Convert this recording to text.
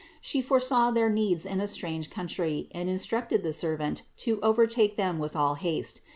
She foresaw their needs in a strange country and instructed the servant to overtake them with all haste.